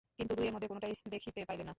কিন্তু দুয়ের মধ্যে কোনোটাই দেখিতে পাইলেন না।